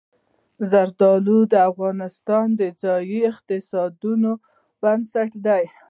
زردالو د افغانستان د ځایي اقتصادونو بنسټ دی.